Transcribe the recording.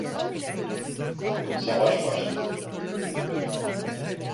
Savaş başladı!